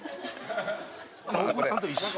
大久保さんと一緒。